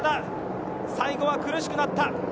最後は苦しくなった。